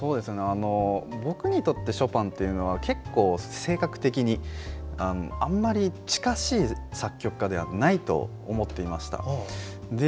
僕にとってショパンっていうのは結構、性格的にあんまり近しい作曲家ではないと思っていました。